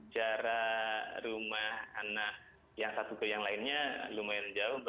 jarak rumah anak yang satu ke yang lainnya lumayan jauh